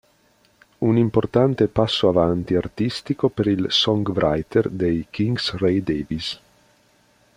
Un importante passo avanti artistico per il songwriter dei Kinks Ray Davies.